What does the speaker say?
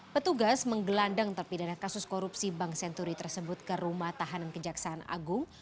petugas menggelandang terpidana kasus korupsi bank senturi tersebut ke rumah tahanan kejaksaan agung